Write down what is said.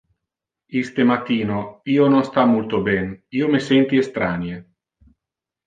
Iste matino io non sta multo ben, io me senti estranie.